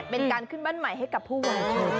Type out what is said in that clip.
เป็นการขึ้นบ้านใหม่ให้กับผู้วาย